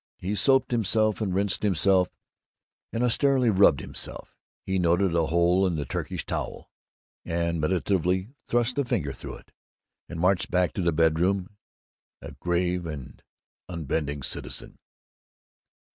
He soaped himself, and rinsed himself, and austerely rubbed himself; he noted a hole in the Turkish towel, and meditatively thrust a finger through it, and marched back to the bedroom, a grave and unbending citizen.